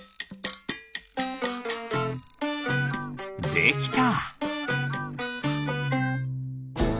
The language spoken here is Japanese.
できた！